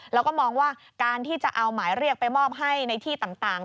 แล้วก็มองว่าการที่จะเอาหมายเรียกไปมอบให้ในที่ต่าง